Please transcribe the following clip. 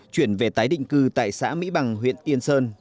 chuyển về tái định cư tại xã mỹ bằng huyện yên sơn